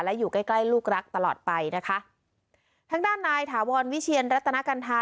และอยู่ใกล้ใกล้ลูกรักตลอดไปนะคะทางด้านนายถาวรวิเชียนรัตนกัณฑา